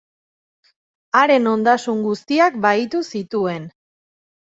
Haren ondasun guztiak bahitu zituen.